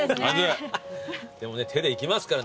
でもね手でいきますからね。